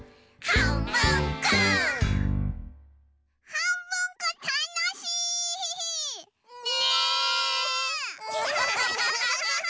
はんぶんこたのしい！ねえ！